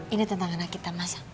ini tentang anak kita masak